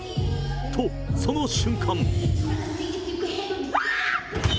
と、その瞬間。